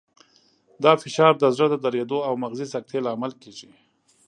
دا فشار د زړه د دریدو او مغزي سکتې لامل کېږي.